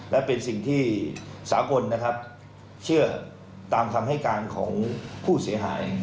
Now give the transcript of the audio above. และเป็นสิ่งที่สากลนะครับเชื่อตามคำให้การของผู้เสียหาย